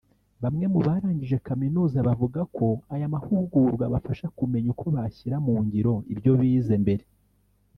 Bamwe mu barangije kaminuza bavuga ko aya mahugurwa abafasha kumenya uko bashyira mu ngiro ibyo bize mbere